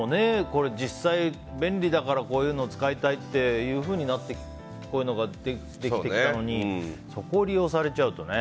実際便利だからこういうの使いたいってなってこういうのができてきたのにそこを利用されちゃうとね。